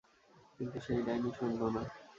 কিন্তু সেই ডাইনি শুনল না।